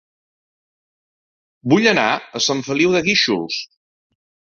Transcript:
Vull anar a Sant Feliu de Guíxols